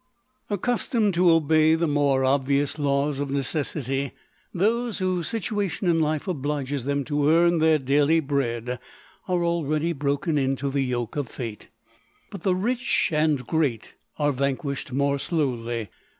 Accustomed to obev the more obvious laws of necessity, those whose situation in life obliges them to earn their daily bread, are already broken in to the yoke of fate. But the rich and great are vanquished more slowly.